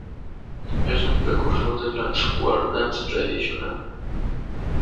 Es un precursor de la "Square dance" tradicional.